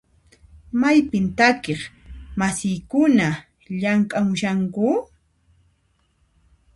Maypin takiq masiykikuna llamk'amushanku?